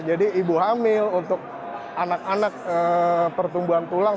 jadi ibu hamil untuk anak anak pertumbuhan tulang